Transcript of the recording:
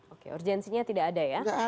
oke urgensinya tidak ada ya